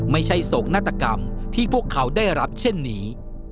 โศกนาฏกรรมที่พวกเขาได้รับเช่นนี้